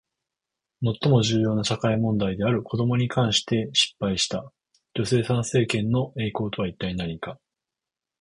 最も重要な社会問題である子どもに関して失敗した女性参政権の栄光とは一体何か？